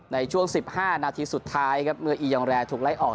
ในช่วง๑๕นาทีสุดท้ายครับเมื่ออียองแรร์ถูกไล่ออก